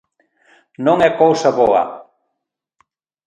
Non é cousa boa.